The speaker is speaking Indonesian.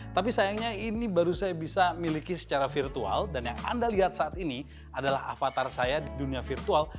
tapi sayangnya ini baru saya bisa miliki secara virtual dan yang anda lihat saat ini adalah avatar saya di dunia virtual